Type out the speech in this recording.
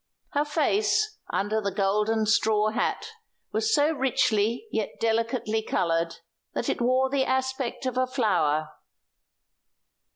Her face, under the golden straw hat, was so richly, yet delicately, coloured that it wore the aspect of a flower.